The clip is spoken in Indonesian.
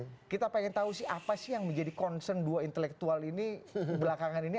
tapi saya juga ingin tahu sih apa sih yang menjadi concern dua intelektual ini belakangan ini